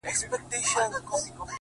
• له مايې ما اخله،